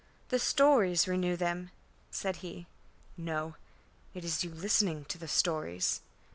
"The stories renew them," said he. "No. It is you listening to the stories."